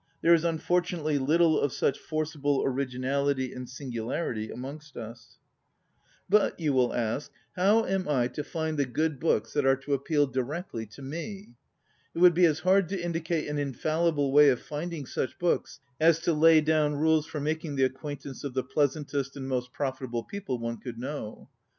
There is unfortunately little of such forcible originality and singularity amongst us. J87 ON READING But, you will ask, how am I to find the good books that are to ap peal directly to me? It would be as hard to indicate an infallible way of finding such books as to lay down rules for making the acquaintance of the pleasantest and most profit able people one could know.